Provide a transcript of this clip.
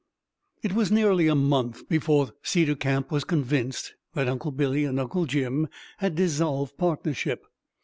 It was nearly a month before Cedar Camp was convinced that Uncle Billy and Uncle Jim had dissolved partnership.